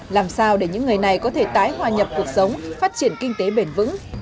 làm sao để những người này có thể tái hòa nhập cuộc sống phát triển kinh tế bền vững